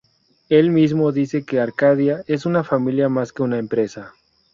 Él mismo dice que "Arcadia es una familia más que una empresa".